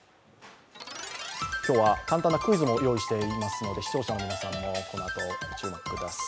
今日は簡単なクイズも用意していますので視聴者の皆さんも御注目ください。